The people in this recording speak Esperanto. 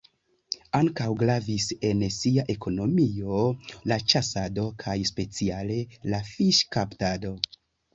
Ankaŭ gravis en sia ekonomio la ĉasado kaj speciale la fiŝkaptado.